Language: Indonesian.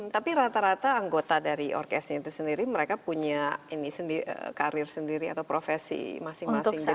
tapi rata rata anggota dari orkestrinya itu sendiri mereka punya karir sendiri atau profesi masing masing